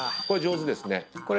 これ上手ですね。